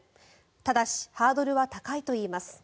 ただしハードルは高いといいます。